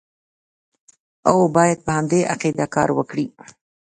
او باید په همدې عقیده کار وکړي.